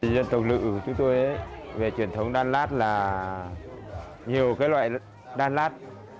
dân tộc lự của chúng tôi về truyền thống đan lát là nhiều loại đan lát